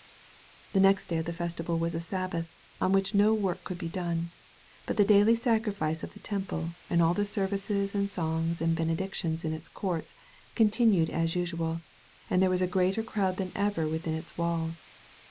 The next day of the festival was a Sabbath, on which no work could be done. But the daily sacri fice of the Temple, and all the services and songs and benedictions in its courts, continued as usual, and there was a greater crowd than ever within its walls.